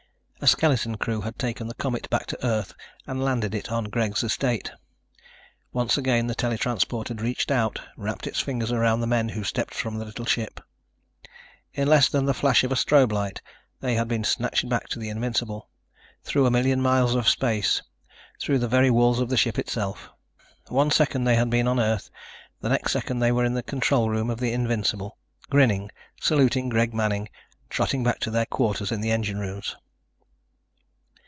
A skeleton crew had taken the Comet back to Earth and landed it on Greg's estate. Once again the tele transport had reached out, wrapped its fingers around the men who stepped from the little ship. In less than the flash of a strobe light, they had been snatched back to the Invincible, through a million miles of space, through the very walls of the ship itself. One second they had been on Earth, the next second they were in the control room of the Invincible, grinning, saluting Greg Manning, trotting back to their quarters in the engine rooms.